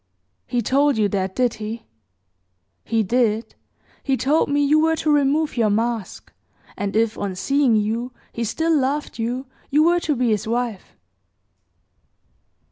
"He told you that, did he?" "He did. He told me you were to remove your mask; and if, on seeing you, he still loved you, you were to be his wife."